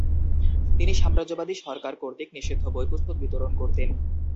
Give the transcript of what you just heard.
তিনি সাম্রাজ্যবাদী সরকার কর্তৃক নিষিদ্ধ বই-পুস্তক বিতরণ করতেন।